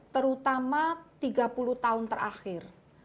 terutama tiga puluh tahun terakhir